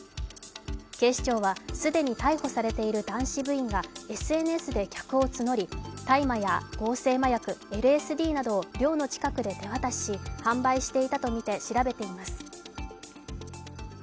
警視庁は既に逮捕されている男子部員がＳＮＳで客を募り、大麻や合成麻薬＝ＬＳＤなどを寮の近くで手渡しし販売していたとみて、調べています。